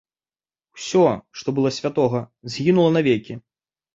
Усё, што было святога, згінула навекі.